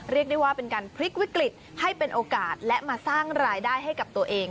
เรียกได้ว่าเป็นการพลิกวิกฤตให้เป็นโอกาสและมาสร้างรายได้ให้กับตัวเอง